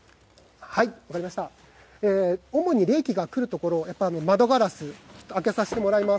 主に冷気が来るところ窓ガラス開けさせてもらいます。